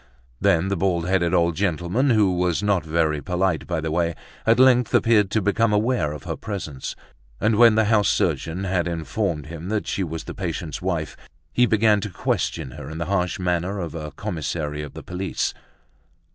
Then the bald headed old gentleman, who was not very polite by the way, at length appeared to become aware of her presence; and when the house surgeon had informed him that she was the patient's wife, he began to question her in the harsh manner of a commissary of the police.